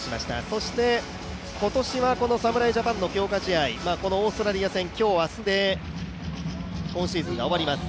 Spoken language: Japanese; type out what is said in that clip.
そして今年はこの侍ジャパンの強化試合、オーストラリア戦、今日、明日で今シーズンが終わります。